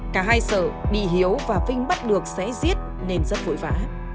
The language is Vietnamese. cả hai sợ bị hiếu và vinh bắt được sẽ giết nên rất vội vã